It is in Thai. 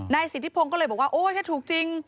สิทธิพงศ์ก็เลยบอกว่าโอ๊ยถ้าถูกจริง